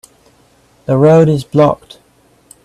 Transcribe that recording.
The road is blocked.